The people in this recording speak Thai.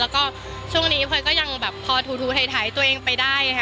แล้วก็ช่วงนี้พลอยก็ยังแบบพอถูถ่ายตัวเองไปได้ค่ะ